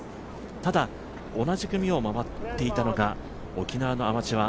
ただ同じ組を回っていたのが沖縄のアマチュア、